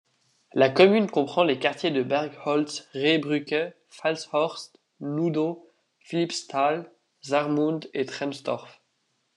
La commune comprend les quartiers de Bergholz-Rehbrücke, Fahlhorst, Nudow, Philippsthal, Saarmund et Tremsdorf.